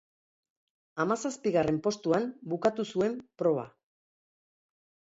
Hamazazpigarren postuan bukatu zuen proba.